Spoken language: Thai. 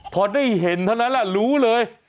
พอได้เห็นเท่านั้นแหละรู้เลย